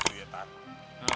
kau takut ya tenang tenang aja lu